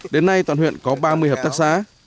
đến nay toàn huyện có ba mươi hợp tác xã